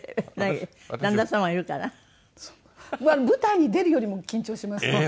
舞台に出るよりも緊張してます。